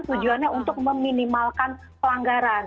tujuannya untuk meminimalkan pelanggaran